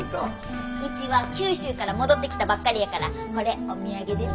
ウチは九州から戻ってきたばっかりやからこれお土産です。